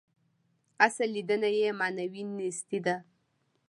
اصل لېدنه یې معنوي نیستي ده.